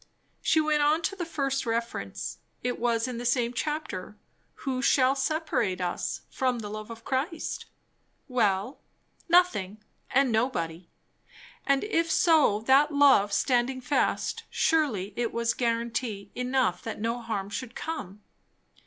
She went on to the first reference. It was in the same chapter. "Who shall separate us from the love of Christ?" Well, nothing, and nobody. And if so, that love standing fast, surely it was guaranty enough that no harm should come.